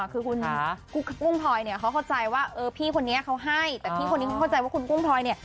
คือคุณกุ้งพลอยเนี่ยเขาเข้าใจว่าเออพี่คนนี้เขาให้แต่พี่คนนี้เขาเข้าใจว่าคุณกุ้งพลอยเนี่ย